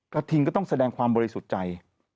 กระทิงก็ต้องแสดงความบริสุทธิ์ใจ